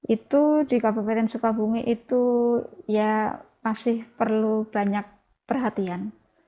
itu di kabupaten sukabumi itu ya masih perlu banyak perhatian